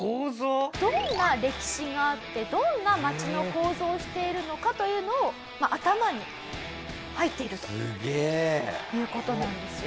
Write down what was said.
どんな歴史があってどんな街の構造をしているのかというのを頭に入っているという事なんですよ。